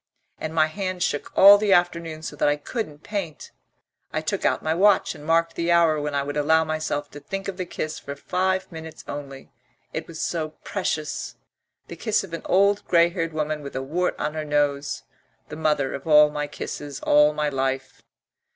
And my hand shook all the afternoon so that I couldn't paint. I took out my watch and marked the hour when I would allow myself to think of the kiss for five minutes only it was so precious the kiss of an old grey haired woman with a wart on her nose, the mother of all my kisses all my life.